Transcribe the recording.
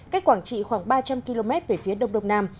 cách quảng trị khoảng ba trăm linh km về phía đông đông nam